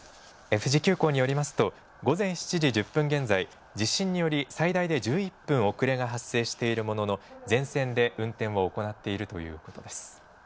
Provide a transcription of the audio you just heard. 富士急行によりますと、午前７時１０分現在、地震により最大で１１分遅れが発生しているものの、全線で運転を行っているということです。